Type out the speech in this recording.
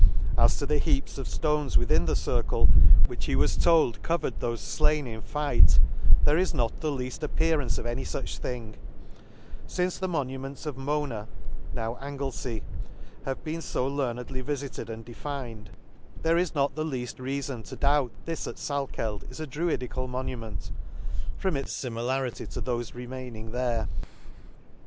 — As to the heaps of flones within the circle, which he was told covered thofe flain in fight, there is not the leafl appearance of any fuch thing. t— Since the monuments of Mona, now Anglefie, have been fq learnedly vifited and de N 2 fined, Mafoji's Charaftaqus. ioo An Excursion to fined, there is not the leaft reafon to doubt this at Salkeld is a druidical monu ment, from its fimilarity to thofe re maining there.